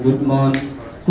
saya ingin meneruskan